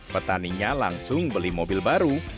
petaninya langsung beli mobil baru